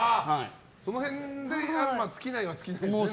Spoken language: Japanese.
その辺で尽きないは尽きないですね。